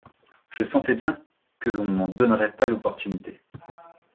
Je sentais bien que l’on m’en donnerait pas l’opportunité.